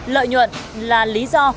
lợi nhuận là lý do